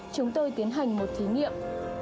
chúng tôi tiến hành một thí nghiệm